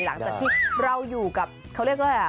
หลังจากที่เราอยู่กับเขาเรียกว่าอะไรอ่ะ